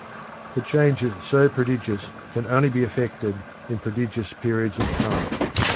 But changes so prodigious can only be effected in prodigious periods of time.